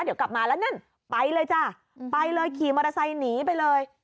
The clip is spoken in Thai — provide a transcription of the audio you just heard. เดี๋ยวกลับมาแล้วนั่นไปเลยจ้ะไปเลยขี่มอเตอร์ไซค์หนีไปเลย